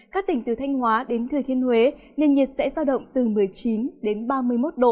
các tỉnh từ thanh hóa đến thừa thiên huế nền nhiệt sẽ giao động từ một mươi chín đến ba mươi một độ